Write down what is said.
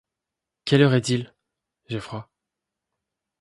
Quelle heure est-il ?— J’ai froid.